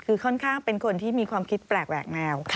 คือค่อนข้างเป็นคนที่มีความคิดแปลกแหวกแนว